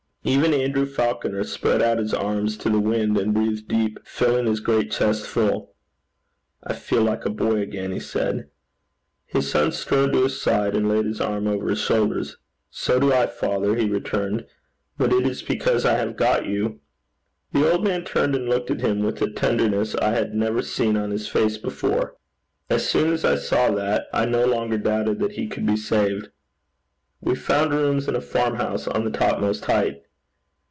Even Andrew Falconer spread out his arms to the wind, and breathed deep, filling his great chest full. 'I feel like a boy again,' he said. His son strode to his side, and laid his arm over his shoulders. 'So do I, father,' he returned; 'but it is because I have got you.' The old man turned and looked at him with a tenderness I had never seen on his face before. As soon as I saw that, I no longer doubted that he could be saved. We found rooms in a farm house on the topmost height.